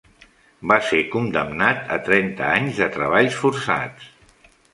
Va ser condemnat a trenta anys de treballs forçats.